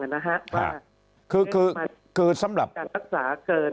คือสำหรับการรักษาเกินกว่าความจำเป็นไหมและเป็นสาเหตุของเรียน